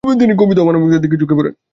তিনি কবিতা এবং মানবিকতার দিকে ঝোঁকে পড়েন।